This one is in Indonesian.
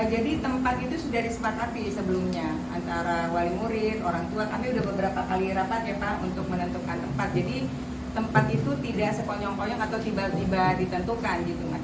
jadi tempat itu tidak sekonyong konyong atau tiba tiba ditentukan gitu mas